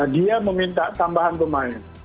dia meminta tambahan pemain